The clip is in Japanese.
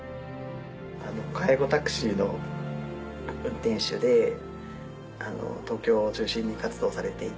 介護タクシーの運転手で東京を中心に活動されていて。